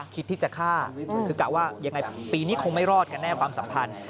คิดที่จะฆ่าคือกะว่ายังไงปีนี้คงไม่รอดกันแน่ความสัมพันธ์